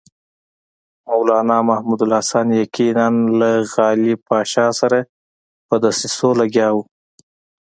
مولنا محمود الحسن یقیناً له غالب پاشا سره په دسیسو لګیا وو.